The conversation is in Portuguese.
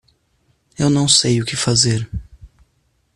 Eu não sei o que fazer.